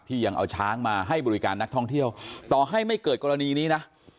ยังเอาช้างมาให้บริการนักท่องเที่ยวต่อให้ไม่เกิดกรณีนี้นะ